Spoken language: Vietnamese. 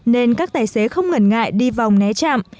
nên các tài xế không ngần ngại đi vòng né chạm